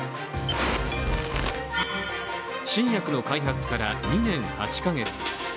新薬の開発から２年８か月。